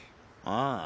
ああ。